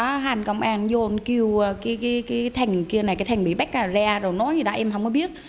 có hai anh công an vô kêu cái thằng kia này cái thằng bị bắt ra rồi nói gì đó em không có biết